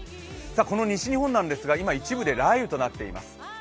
この西日本なんですが、今、一部で雷雨となっています。